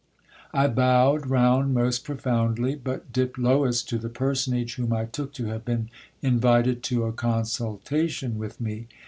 I bowed round most profound! v, but dipped lowest to the personage whom I took to have been invited to a consult ation with me.